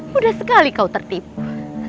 mudah sekali kau tertipu